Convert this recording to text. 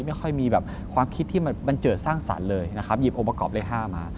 ไม่ค่อยมีความคิดที่มันเจอสร้างสรรค์เลยนะครับหยิบโอปกรอบเลข๕มา